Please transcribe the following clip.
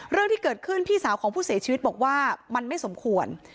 เรื่องที่เกิดขึ้นพี่สาวของผู้เสียชีวิตบอกว่ามันไม่สมควร